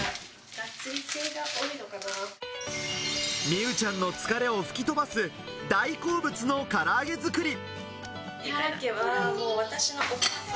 美羽ちゃんの疲れを吹き飛ばす大好物のから揚げ作り。